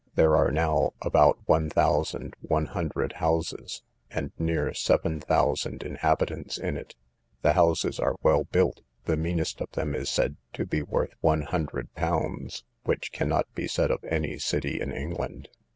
There are now about one thousand one hundred houses, and near seven thousand inhabitants in it. The houses are well built, the meanest of them is said to be worth one hundred pounds, which cannot be said of any city in England.